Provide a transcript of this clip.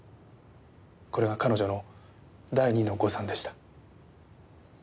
これは彼女の第二の誤算でした。